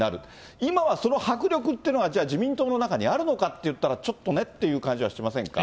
今はその迫力ってのが、じゃあ、自民党の中にあるのかっていったら、ちょっとねっていう感じはしませんか？